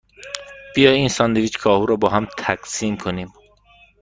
بیا این ساندویچ کاهو را باهم تقسیم کنیم.